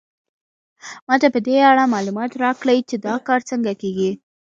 ما ته په دې اړه معلومات راکړئ چې دا کار څنګه کیږي